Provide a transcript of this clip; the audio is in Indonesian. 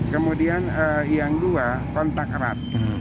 kemudian yang dua kontak erat